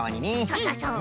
そうそうそう。